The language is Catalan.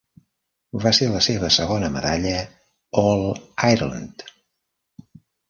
Va ser la seva segona medalla All-Ireland.